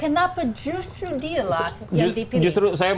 kenapa justru dialah yang dipilih